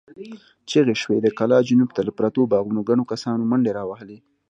چيغې شوې، د کلا جنوب ته له پرتو باغونو ګڼو کسانو منډې را وهلې.